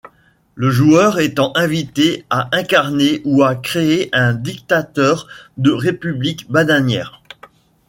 Le joueur étant invité à incarner ou à créer un dictateur de République bananière.